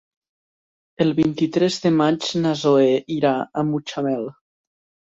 El vint-i-tres de maig na Zoè irà a Mutxamel.